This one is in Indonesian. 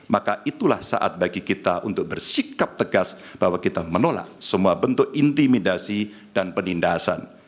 maka itulah saat bagi kita untuk bersikap tegas bahwa kita menolak semua bentuk intimidasi dan penindasan